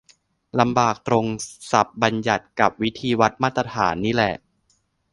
ลำบากตรงศัพท์บัญญัติกับวิธีวัดมาตรฐานนี่แหละ